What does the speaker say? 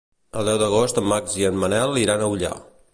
El deu d'agost en Max i en Manel iran a Ullà.